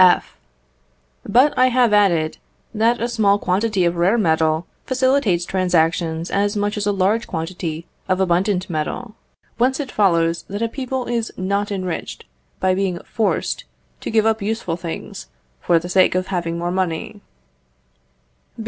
F. But I have added, that a small quantity of rare metal facilitates transactions as much as a large quantity of abundant metal; whence it follows, that a people is not enriched by being forced to give up useful things for the sake of having more money.